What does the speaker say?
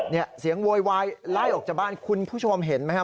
เนี่ยเสียงโวยวายไล่ออกจากบ้านคุณผู้ชมเห็นไหมครับ